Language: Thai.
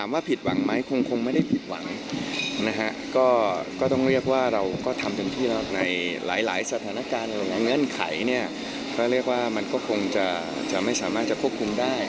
ว่าผิดหวังไหมคงไม่ได้ผิดหวังนะฮะก็ต้องเรียกว่าเราก็ทำเต็มที่แล้วในหลายสถานการณ์เงื่อนไขเนี่ยก็เรียกว่ามันก็คงจะไม่สามารถจะควบคุมได้